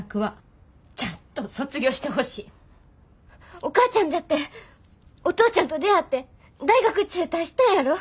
お母ちゃんだってお父ちゃんと出会って大学中退したんやろ。